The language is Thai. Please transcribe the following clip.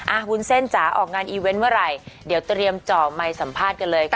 วุ้นเส้นจ๋าออกงานอีเวนต์เมื่อไหร่เดี๋ยวเตรียมเจาะไมค์สัมภาษณ์กันเลยค่ะ